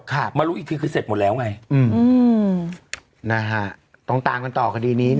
มารู้อีกทีคือเสร็จหมดแล้วไงอืมนะฮะต้องตามกันต่อคดีนี้